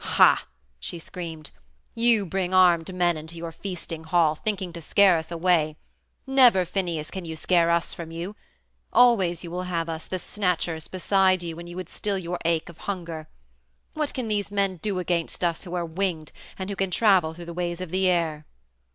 "Hah," she screamed, "you bring armed men into your feasting hall, thinking to scare us away. Never, Phineus, can you scare us from you! Always you will have us, the Snatchers, beside you when you would still your ache of hunger. What can these men do against us who are winged and who can travel through the ways of the air?"